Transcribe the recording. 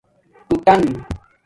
ٹݸ ٹݣ